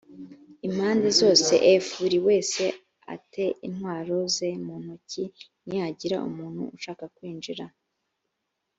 impande zose f buri wese a te intwaro ze mu ntoki nihagira umuntu ushaka kwinjira